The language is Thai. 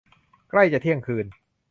ใกล้จะเที่ยงคืน